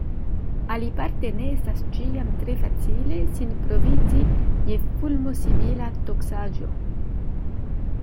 Aliparte ne estas ĉiam tre facile sin provizi je fulmosimila toksaĵo.